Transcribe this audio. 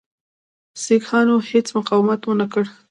سیکهانو هیڅ مقاومت ونه کړ.